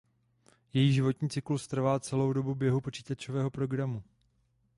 Její životní cyklus trvá celou dobu běhu počítačového programu.